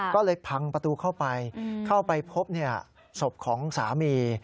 ก็เลยพังประตูเข้าไปเข้าไปพบศพของสามี